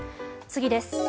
次です。